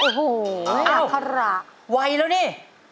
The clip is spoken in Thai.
โอ้โฮอยากธรรมะอ้าวเว้ยแล้วนี่